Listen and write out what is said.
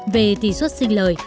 về tỷ suất sinh lời